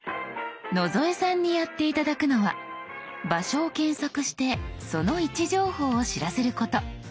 野添さんにやって頂くのは場所を検索してその位置情報を知らせること。